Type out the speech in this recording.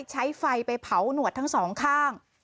ใช้ไฟไปเผาหนวดทั้งสองข้าง